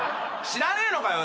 ⁉知らねえのかよ